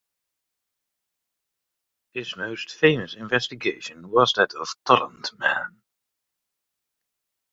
His most famous investigation was that of the Tollund Man.